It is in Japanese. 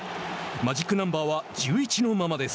マジックナンバーは１１のままです。